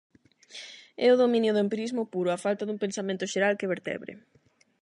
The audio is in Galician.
É o dominio do empirismo puro, a falta dun pensamento xeral que vertebre.